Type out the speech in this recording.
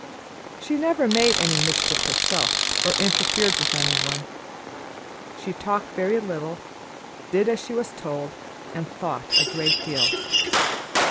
She never made any mischief herself or interfered with any one. She talked very little, did as she was told, and thought a great deal.